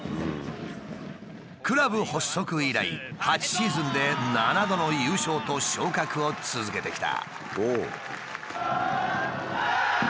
クラブ発足以来８シーズンで７度の優勝と昇格を続けてきた。